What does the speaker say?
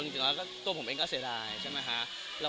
จริงแล้วตัวผมเองก็เสียดายใช่ไหมคะ